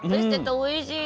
おいしい。